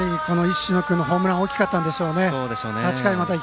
石野君のホームランが大きかったんでしょうね。